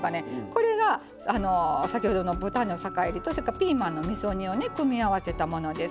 これが、先ほどの豚肉の酒いりとそれからピーマンのみそ煮を組み合わせたものです。